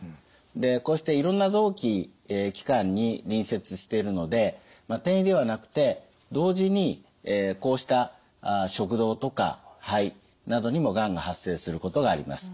でこうしていろんな臓器器官に隣接しているので転移ではなくて同時にこうした食道とか肺などにもがんが発生することがあります。